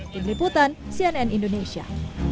di beriputan cnn indonesia